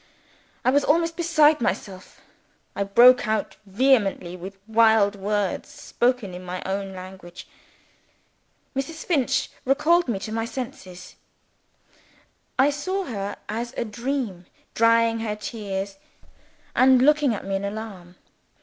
I was almost beside myself I broke out vehemently with wild words spoken in my own language. Mrs. Finch recalled me to my senses. I saw her as in a dream, drying her tears, and looking at me in alarm.